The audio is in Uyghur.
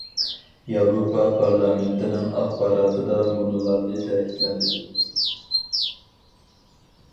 ياۋروپا پارلامېنتىنىڭ ئاخباراتىدا مۇنۇلارنى تەكىتلەندى.